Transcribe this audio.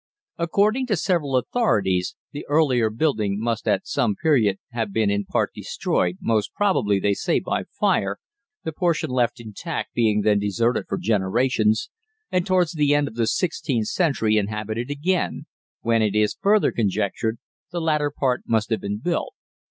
According to several authorities the earlier building must at some period have been in part destroyed, most probably, they say, by fire, the portion left intact being then deserted for generations, and, towards the end of the sixteenth century, inhabited again, when, it is further conjectured, the latter part must have been built.